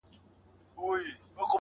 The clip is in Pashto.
چي په دنيا کي محبت غواړمه~